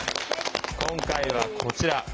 今回はこちら。